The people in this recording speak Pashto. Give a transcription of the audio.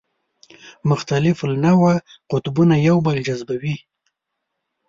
مختلف النوع قطبونه یو بل جذبوي.